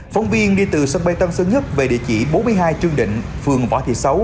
phóng viên đi từ sân bay tân sơn nhất về địa chỉ bốn mươi hai trương định phường võ thị sáu